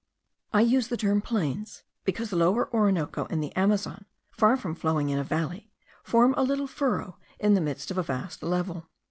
I use the term plains, because the Lower Orinoco and the Amazon, far from flowing in a valley, form but a little furrow in the midst of a vast level.